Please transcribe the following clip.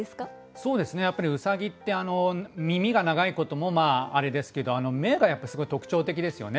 そうですねやっぱり兎って耳が長いこともあれですけど目がやっぱりすごい特徴的ですよね